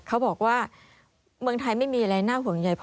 เขาบอกว่าเมืองไทยไม่มีอะไรน่าห่วงใย